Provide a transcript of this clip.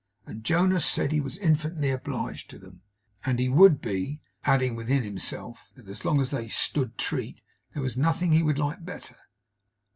And Jonas said he was infinitely obliged to them, and he would be; adding within himself, that so long as they 'stood treat,' there was nothing he would like better.